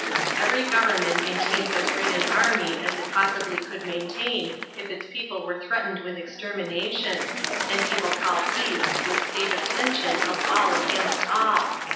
"'Every government maintains as great an army as it possibly could maintain if its people were threatened with extermination, and people call peace this state of tension of all against all.